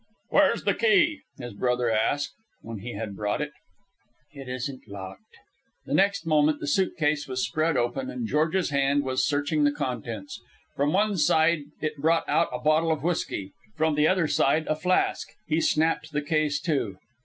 "Where's the key?" his brother asked, when he had brought it. "It isn't locked." The next moment the suit case was spread open, and George's hand was searching the contents. From one side it brought out a bottle of whisky, from the other side a flask. He snapped the case to.